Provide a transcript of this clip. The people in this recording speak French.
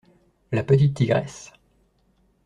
La petite tigresse.